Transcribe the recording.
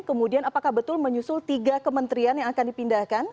kemudian apakah betul menyusul tiga kementerian yang akan dipindahkan